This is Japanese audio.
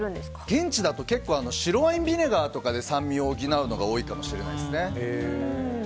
現地だと結構、白ワインビネガーとかで酸味を補うのが多いかもしれないですね。